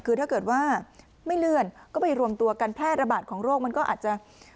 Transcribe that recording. คือถ้าเกิดว่าไม่เลื่อนก็ไปรวมตัวกันแพร่ระบาดของโรคมันก็อาจจะ